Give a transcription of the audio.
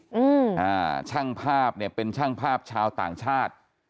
อืมอ่าช่างภาพเนี้ยเป็นช่างภาพชาวต่างชาติ